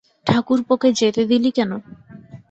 ঠাকুরপোকে যেতে দিলি কেন?